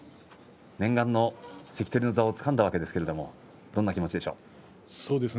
念願の関取の座をつかんだわけですがどんな気持ちでしょうか。